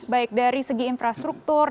baik dari segi infrastruktur